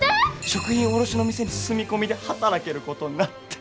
食品卸の店に住み込みで働けることになって。